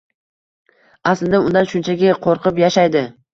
Aslida undan shunchaki qoʻrqib yashaydi.